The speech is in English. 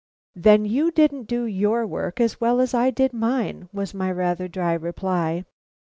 "Then you didn't do your work as well as I did mine," was my rather dry reply.